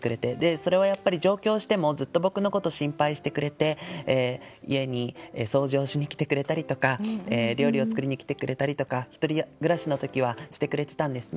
それはやっぱり上京してもずっと僕のこと心配してくれて家に掃除をしに来てくれたりとか料理を作りに来てくれたりとか１人暮らしの時はしてくれてたんですね。